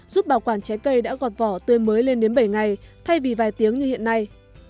giúp bảo quản trái cây đã gọt vỏ tươi mới lên đến bảy ngày thay vì vài tiếng như hiện nay